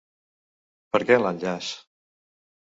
Per què l'enllaç?